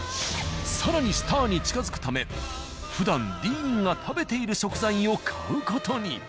更にスターに近づくためふだんディーンが食べている食材を買う事に。